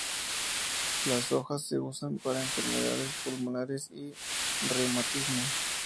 Las hojas se usan para enfermedades pulmonares y reumatismo.